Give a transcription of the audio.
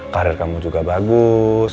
karir kamu juga bagus